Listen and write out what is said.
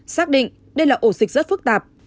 xác định đây là ổ dịch rất phức tạp